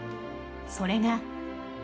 それが。